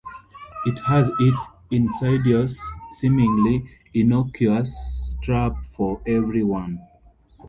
It has its insidious, seemingly innocuous trap for every one.